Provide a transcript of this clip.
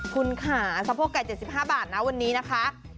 คุณค่ะสะโพกไก่๗๕บาทนะวันนี้นะคะ